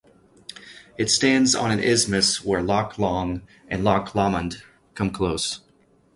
It stands on an isthmus where Loch Long and Loch Lomond come close.